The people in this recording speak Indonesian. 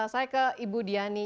saya ke ibu diani